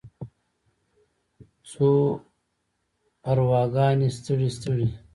څو ارواګانې ستړې، ستړې